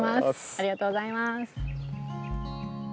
ありがとうございます。